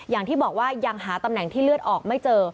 อย่างที่บอกว่ายังหาตำแหน่งที่เลือดออกไม่เจอ